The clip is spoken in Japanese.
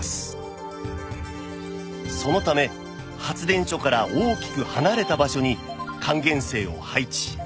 そのため発電所から大きく離れた場所に還元井を配置